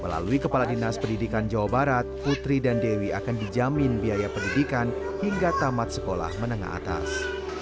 melalui kepala dinas pendidikan jawa barat putri dan dewi akan dijamin biaya pendidikan hingga tamat sekolah menengah atas